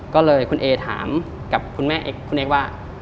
ก็เลยคุณเอถามกับคุณแม่คุณเอ็กซ์ว่า